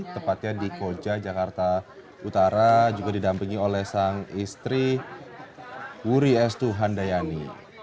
tepatnya di koja jakarta utara juga didampingi oleh sang istri wuri estu handayani